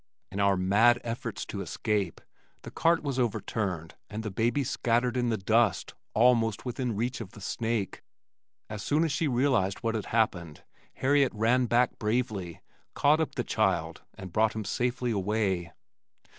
In our mad efforts to escape, the cart was overturned and the baby scattered in the dust almost within reach of the snake. As soon as she realized what had happened, Harriet ran back bravely, caught up the child and brought him safely away.